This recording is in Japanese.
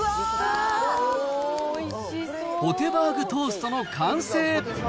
ポテバーグトーストの完成。